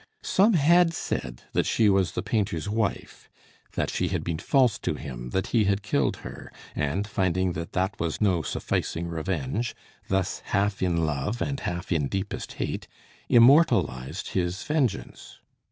Some had said that she was the painter's wife; that she had been false to him; that he had killed her; and, finding that that was no sufficing revenge, thus half in love, and half in deepest hate, immortalised his vengeance.